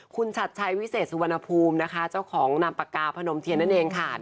คุณชัดชัยวิเศษสุวรรณภูมิเจ้าของนำปากกาพนมเทียน